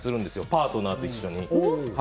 パートナーと一緒に。